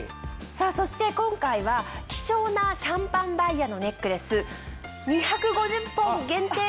そして今回は希少なシャンパンダイヤのネックレス２５０本限定です。